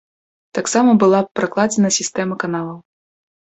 Таксама была пракладзена сістэма каналаў.